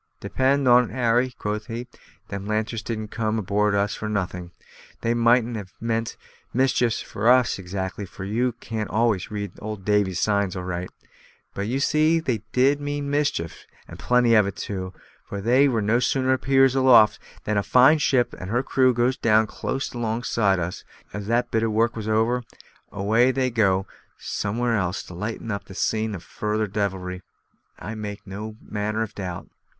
"Depend on't, Harry," quoth he, "them lanterns didn't come aboard of us for nothing. They mightn't have meant mischief for us exactly for you can't always read Old Davy's signs aright; but you see they did mean mischief, and plenty of it too, for they no sooner appears aloft than a fine ship and her crew goes down close alongside of us; and as soon as that bit of work was over, away they go somewhere else to light up the scene of further devilry, I make no manner of doubt."